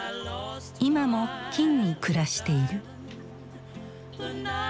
今も金武に暮らしている。